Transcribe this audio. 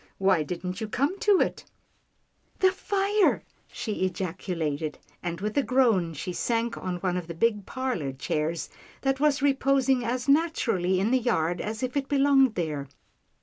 Why didn't you come to it ?"" The fire !" she ejaculated, and with a groan, she sank on one of the big parlour chairs that was reposing as naturally in the yard as if it belonged there.